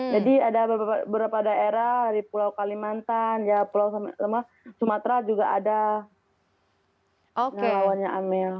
jadi ada beberapa daerah di pulau kalimantan sumatera juga ada lawannya amel